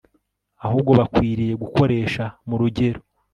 ahubwo bakwiriye gukoresha mu rugero